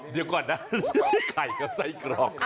เดี๋ยวก่อนนะไข่กับไส้กรอก